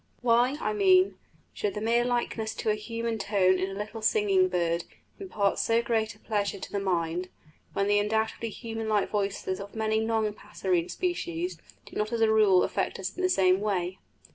Why, I mean, should the mere likeness to a human tone in a little singing bird impart so great a pleasure to the mind, when the undoubtedly human like voices of many non passerine species do not as a rule affect us in the same way?